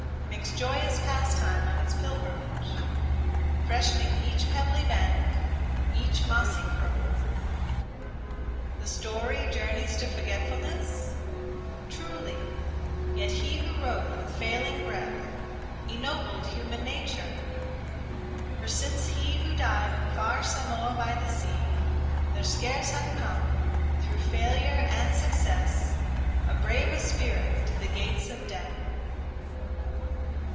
Makes joyous pastime of its pilgrimage, Fresh'ning each pebbly bend, each mossy crook. The story journeys to forgetfulness ? Truly : yet he who wrote, with failing breath, 98 IN PATHETIC REMEMBRANCE Ennobled human nature ; for since he Who died in far Samoa by the sea, There scarce hath come, through failure and suc cess, A braver spirit to the gates of death